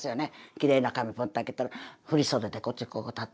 きれいな紙ポンと開けたら振り袖でこっちこう立ってる。